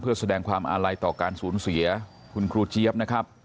เพื่อแสดงความอาลัยต่อการสูญเสียคุณครูเจี๊ยบนะครับ